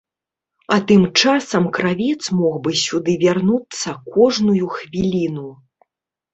А тым часам кравец мог бы сюды вярнуцца кожную хвіліну.